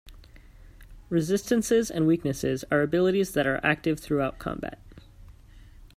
Resistances and weaknesses are abilities that are active throughout combat.